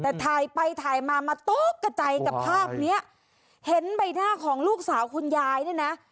แต่ถ่ายไปถ่ายมามาตกกระจายกับภาพเนี้ยเห็นใบหน้าของลูกสาวคุณยายเนี่ยนะ